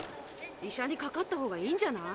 医者にかかったほうがいいんじゃない？